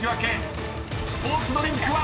［スポーツドリンクは⁉］